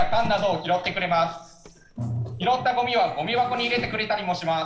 拾ったゴミをゴミ箱に入れてくれたりもします。